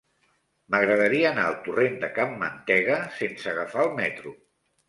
M'agradaria anar al torrent de Can Mantega sense agafar el metro.